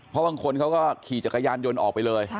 เพราะบางคนเขาก็ขี่จักรยานยนต์ออกไปเลย